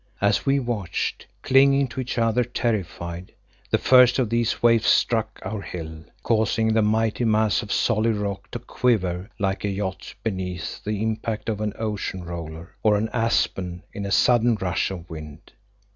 As we watched, clinging to each other terrified, the first of these waves struck our hill, causing the mighty mass of solid rock to quiver like a yacht beneath the impact of an ocean roller, or an aspen in a sudden rush of wind.